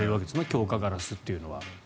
強化ガラスというのは。